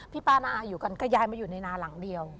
ป้านาอยู่กันก็ยายมาอยู่ในนาหลังเดียว